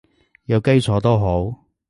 有基礎都好